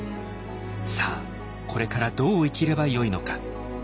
さあこれからどう生きればよいのか。